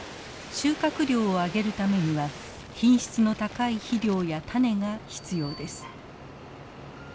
収穫量を上げるためには品質の高い肥料や種が必要です。